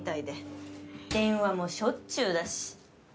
電話もしょっちゅうだし。